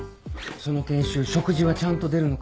その研修食事はちゃんと出るのか？